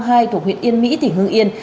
thuộc huyện yên mỹ tỉnh hương yên